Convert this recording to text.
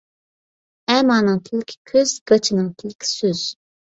ئەمانىڭ تىلىكى كۆز، گاچىنىڭ تىلىكى سۆز.